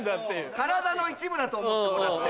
体の一部だと思ってもらって。